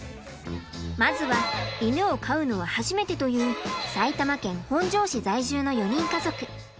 まずは犬を飼うのは初めてという埼玉県本庄市在住の４人家族。